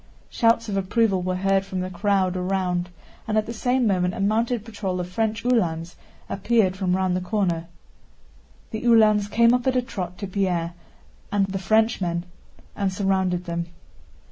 Shouts of approval were heard from the crowd around, and at the same moment a mounted patrol of French Uhlans appeared from round the corner. The Uhlans came up at a trot to Pierre and the Frenchman and surrounded them.